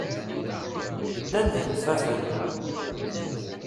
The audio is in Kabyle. Ddan d yiqeffafen.